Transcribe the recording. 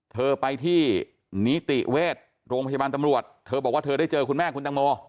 เธอไปที่นิติเวชโรงพยาบาลตำรวจเธอบอกว่าเธอได้เจอคุณแม่คุณตังโม